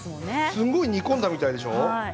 すごく煮込んだみたいでしょ？